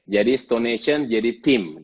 jadi strong nation jadi team